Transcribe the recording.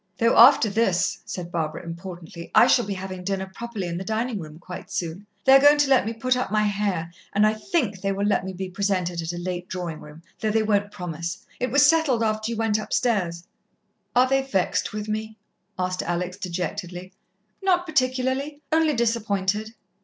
"Though after this," said Barbara importantly, "I shall be having dinner properly in the dining room quite soon. They are going to let me put up my hair, and I think they will let me be presented at a late Drawing room, though they won't promise. It was settled after you went upstairs." "Are they vexed with me?" asked Alex dejectedly. "Not particularly. Only disappointed."